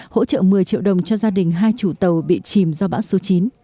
hỗ trợ một mươi triệu đồng cho gia đình hai chủ tàu bị chìm do bão số chín